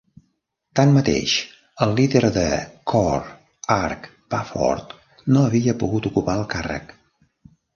Tanmateix, el líder de CoR, Arch Pafford, no havia pogut ocupar el càrrec.